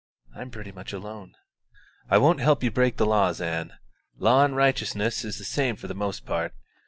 I'm pretty much alone." "I won't help you to break the laws, Ann. Law and righteousness is the same for the most part.